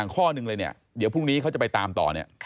ข้อหนึ่งเลยเนี่ยเดี๋ยวพรุ่งนี้เขาจะไปตามต่อเนี่ย